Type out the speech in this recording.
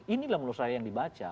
inilah melusaha yang dibaca